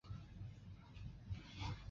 他的演艺生涯开始于即兴剧场。